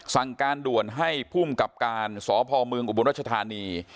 สั่งการด่วนให้ภูมิกับการสพเมืองอุบลรัชธานี